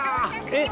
えっ